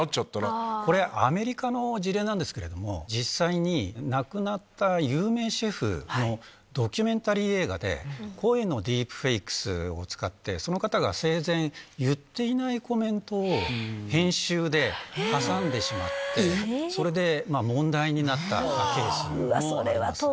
これ、アメリカの事例なんですけれども、実際に亡くなった有名シェフのドキュメンタリー映画で、声のディープフェイクスを使って、その方が生前、言っていないコメントを編集で挟んでしまって、それで問題になったケースもあります。